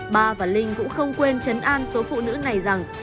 ba và linh cũng không quên chấn an số phụ nữ này rằng